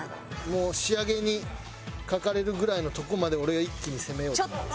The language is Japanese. もう仕上げにかかれるぐらいのとこまで俺が一気に攻めようと思います。